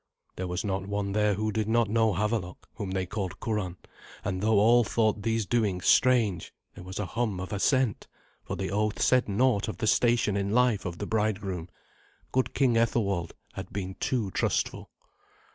There was not one there who did not know Havelok, whom they called Curan; and though all thought these doings strange, there was a hum of assent, for the oath said naught of the station in life of the bridegroom. Good King Ethelwald had been too trustful.